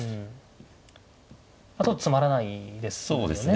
ちょっとつまらないですよね